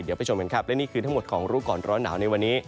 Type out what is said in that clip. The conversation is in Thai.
เดี๋ยวไปชมกันครับและนี่คือทั้งหมดของรู้ก่อนร้อนหนาวในวันนี้